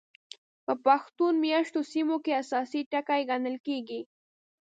په پښتون مېشتو سیمو کې اساسي ټکي ګڼل کېږي.